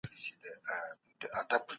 حکومت د اقتصاد په تنظيم کي څه رول لوبوي؟